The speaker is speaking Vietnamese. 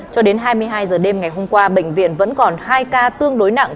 cho đến hai mươi hai h đêm ngày hôm qua bệnh viện vẫn còn hai ca tương đối nặng